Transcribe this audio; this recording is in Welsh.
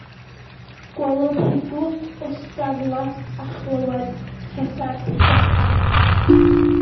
Gwelodd hi glwt o sgarlad a chlywed trydar llachar.